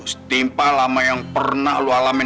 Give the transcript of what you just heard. setimpa lama yang pernah lo alamin